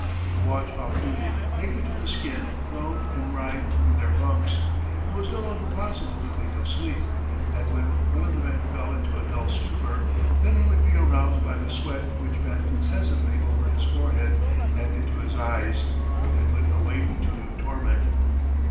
The watch off duty, naked to the skin, groaned and writhed in their bunks. It was no longer possible to think of sleep. And when one of the men fell into a dull stupor, then he would be aroused by the sweat which ran incessantly over his forehead and into his eyes, and would awake to new torment.